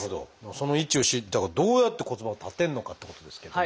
その位置をだからどうやって骨盤を立てるのかってことですけども。